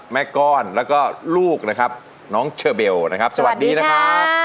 แม่ก้อนแล้วก็ลูกนะครับน้องเชอเบลนะครับสวัสดีนะครับ